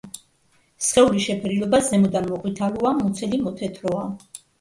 სხეულის შეფერილობა ზემოდან მოყვითალოა, მუცელი მოთეთროა.